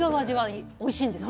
おいしいんですよ。